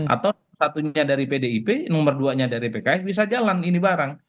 atau satunya dari pdip nomor duanya dari pks bisa jalan ini barang